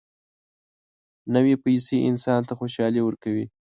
نوې پیسې انسان ته خوشالي ورکوي